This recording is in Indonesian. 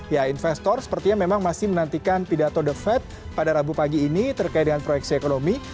ya investor sepertinya memang masih menantikan pidato the fed pada rabu pagi ini terkait dengan proyeksi ekonomi